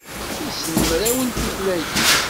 Issen mraw n tutlayin.